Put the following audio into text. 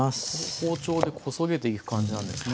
包丁でこそげていく感じなんですね。